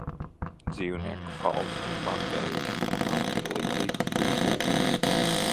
Dzīvnieku, augu un baktēriju šūnām ir līdzīga uzbūve.